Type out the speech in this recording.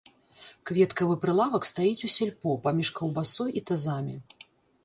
Кветкавы прылавак стаіць у сельпо, паміж каўбасой і тазамі.